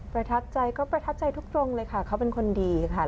ประทับใจก็ประทับใจทุกตรงเลยค่ะเขาเป็นคนดีค่ะ